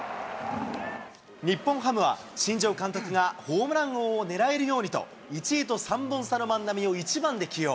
日本ハムは、新庄監督がホームラン王を狙えるようにと、１位と３本差の万波を１番で起用。